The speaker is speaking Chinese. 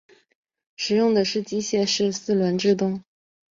使用的是机械式四轮制动。